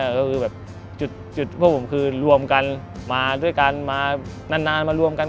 ก็คือแบบจุดพวกผมคือรวมกันมาด้วยกันมานานมารวมกัน